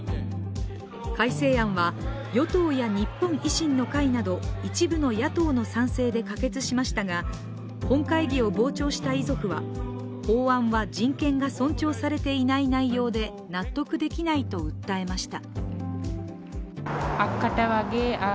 改正案は、与党や日本維新の会など一部の野党の賛成で可決しましたが本会議を傍聴した遺族は法案は人権が尊重されていない内容で納得できないと訴えました。